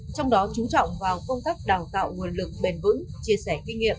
trong đó chú trọng vào công tác đào tạo nguồn lực bền vững chia sẻ kinh nghiệm